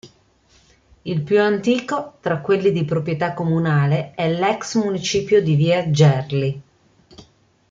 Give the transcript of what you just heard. Il più antico, tra quelli di proprietà comunale, è l'ex-municipio di via Gerli.